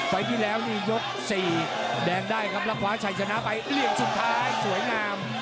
ที่แล้วนี่ยก๔แดงได้ครับแล้วคว้าชัยชนะไปเหลี่ยมสุดท้ายสวยงาม